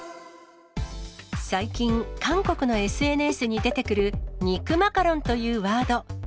最近、韓国のＳＮＳに出てくる肉マカロンというワード。